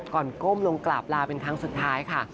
ก้มลงกราบลาเป็นครั้งสุดท้ายค่ะ